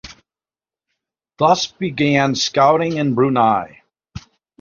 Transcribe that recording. Thus began Scouting in Brunei.